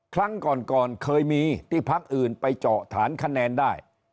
ครั้งก่อนเคยมีที่พักอื่นไปเจาะฐานคะแนนได้